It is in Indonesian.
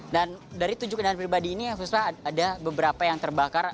dan dari tujuh kendaraan pribadi ini puspa ada beberapa yang terbakar